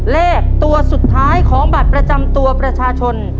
เลขตัวสุดท้ายของบัตรประจำตัวประชาชน